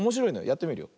やってみるよ。